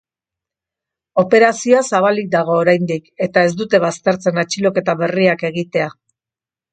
Operazioa zabalik dago oraindik, eta ez dute baztertzen atxiloketa berriak egitea.